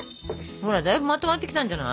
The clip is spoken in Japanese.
ほらだいぶまとまってきたんじゃない？